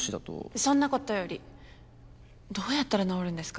そんなことよりどうやったら直るんですか？